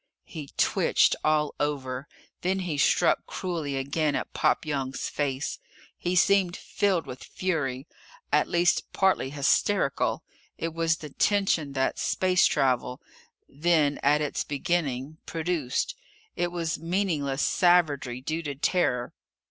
He twitched all over. Then he struck cruelly again at Pop Young's face. He seemed filled with fury, at least partly hysterical. It was the tension that space travel then, at its beginning produced. It was meaningless savagery due to terror.